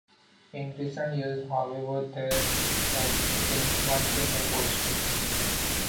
In recent years, however, there has been one single host.